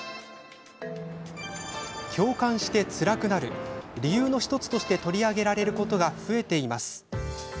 共感してつらくなる理由の１つとして取り上げられることが増えています。